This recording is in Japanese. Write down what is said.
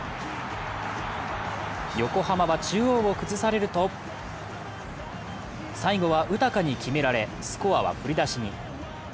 横浜は中央を崩されると、最後はウタカに決められスコアは振り出しに。